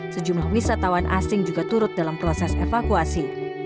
sejumlah wisatawan asing juga turut dalam proses evakuasi